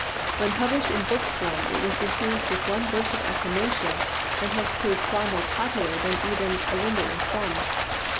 When published in book form it was received with one burst of acclamation, and has proved far more popular than even " A Window in Thrums."